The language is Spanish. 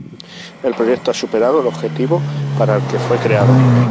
El proyecto ha superado el objetivo para el que fue creado.